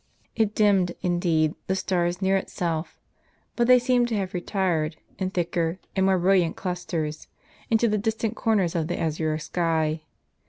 It dimmed, indeed, the stars near itself; but they seemed to have retired, in thicker and more brilliant clusters, into the distant corners of the azure sky.